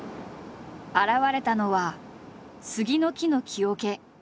現れたのは杉の木の木桶。